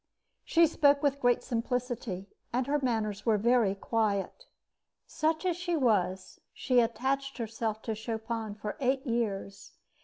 She spoke with great simplicity, and her manners were very quiet. Such as she was, she attached herself to Chopin for eight years.